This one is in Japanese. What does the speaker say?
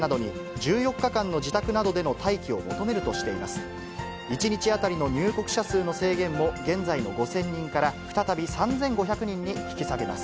１日当たりの入国者数の制限も、現在の５０００人から再び３５００人に引き下げます。